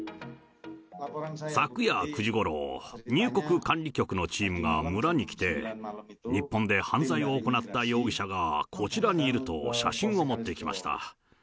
昨夜９時ごろ、入国管理局のチームが村に来て、日本で犯罪を行った容疑者がこちらにいると写真を持ってきました。